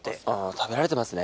食べられてますね